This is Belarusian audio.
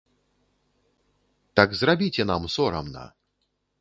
Так зрабіце нам сорамна!